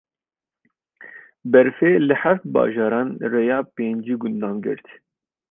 Berfê li heft bajaran rêya pêncî gundan girt.